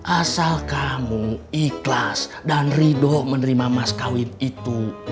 asal kamu ikhlas dan ridho menerima mas kawin itu